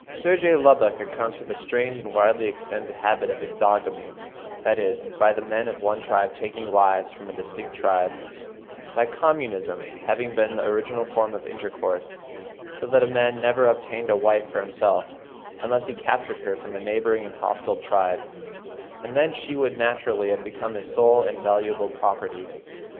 Sir J. Lubbock accounts for the strange and widely extended habit of exogamy—that is, the men of one tribe taking wives from a distinct tribe,—by communism having been the original form of intercourse; so that a man never obtained a wife for himself unless he captured her from a neighbouring and hostile tribe, and then she would naturally have become his sole and valuable property.